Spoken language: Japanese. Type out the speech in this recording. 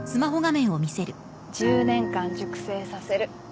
１０年間熟成させる。